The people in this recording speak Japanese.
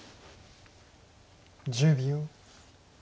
１０秒。